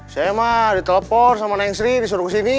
saya mah ditelepon sama neng sri disuruh kesini